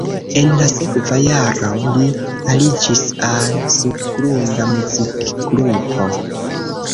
En la sekva jaro li aliĝis al subgrunda muzikgrupo.